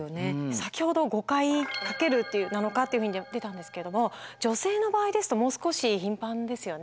先ほど５回かける７日っていうふうには言ってたんですけども女性の場合ですともう少し頻繁ですよね。